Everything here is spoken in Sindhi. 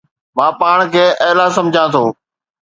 مان پاڻ کي اعليٰ سمجهان ٿو